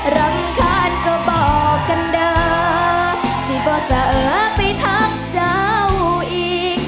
รำคาญก็บอกกันเด้อสิบ่เสอไปทักเจ้าอีก